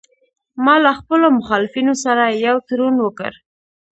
ما له خپلو مخالفینو سره یو تړون وکړ